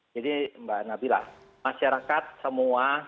jadi mbak nabila masyarakat semua